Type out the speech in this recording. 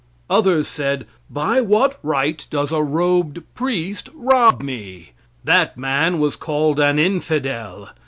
Others said, by what right does a robed priest rob me? That man was called an infidel.